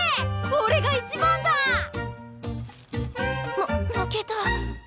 ま負けた。